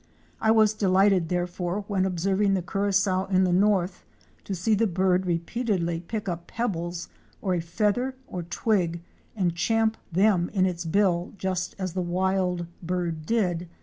J was delighted therefore when observing the Curassow in the north to see the bird repeatedly pick up peb bles or a feather or twig and champ them in its bill just as the wild bird did.